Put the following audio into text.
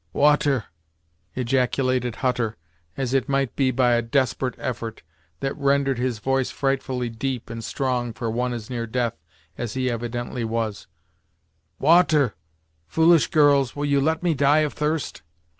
"Water," ejaculated Hutter, as it might be by a desperate effort, that rendered his voice frightfully deep and strong for one as near death as he evidently was "Water foolish girls will you let me die of thirst?"